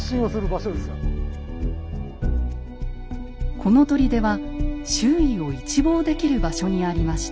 この砦は周囲を一望できる場所にありました。